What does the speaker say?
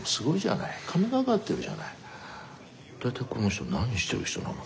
大体この人何してる人なの？